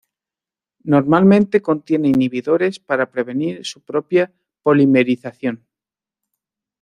Normalmente contiene inhibidores para prevenir su propia polimerización.